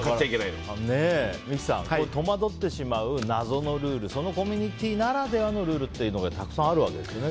三木さん戸惑ってしまう謎のルールそのコミュニティーならではのルールがたくさんあるわけですね。